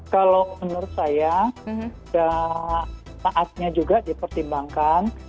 kalau menurut saya saatnya juga dipertimbangkan